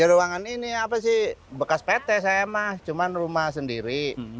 ruangan ini bekas pt saya emang cuma rumah sendiri